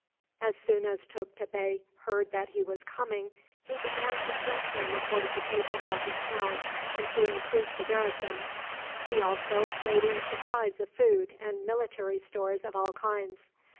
As soon as Tukta Bey heard that he was coming, he began to strengthen the fortifications of his town and to increase the garrison. He also laid in supplies of food and military stores of all kinds.